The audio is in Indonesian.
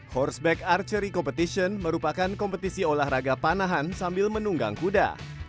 horseback archery competition merupakan kompetisi olahraga panahan sambil menunggang kuda